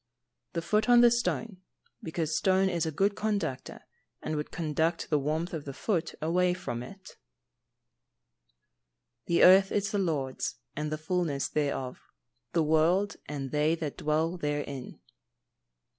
_ The foot on the stone, because stone is a good conductor, and would conduct the warmth of the foot away from it. [Verse: "The earth is the Lord's, and the fulness thereof; the world, and they that dwell therein."